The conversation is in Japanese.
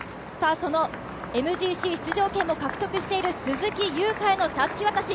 そのＭＧＣ出場権も獲得している鈴木優花へのたすき渡し。